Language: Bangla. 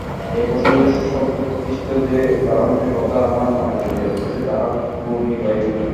এই প্রসঙ্গে সর্বোৎকৃষ্ট যে উদাহরণটির কথা আমার মনে পড়িতেছে, তাহা ঘূর্ণিবায়ু।